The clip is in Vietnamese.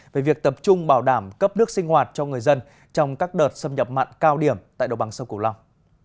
về việc tập trung bảo đảm cấp nước sinh hoạt cho người dân trong các đợt xâm nhập mặn cao điểm tại đồng bằng sông cổ long